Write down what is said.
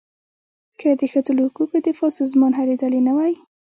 که د ښځو له حقونو دفاع سازمان هلې ځلې نه وای.